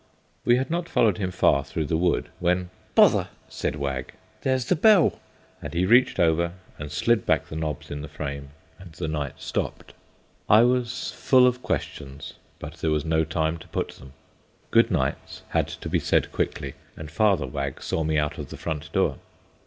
We had not followed him far through the wood when "Bother!" said Wag, "there's the bell"; and he reached over and slid back the knobs in the frame, and the knight stopped. I was full of questions, but there was no time to put them. Good nights had to be said quickly, and Father Wag saw me out of the front door.